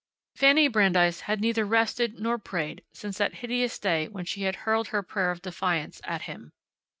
Fanny Brandeis had neither rested nor prayed since that hideous day when she had hurled her prayer of defiance at Him.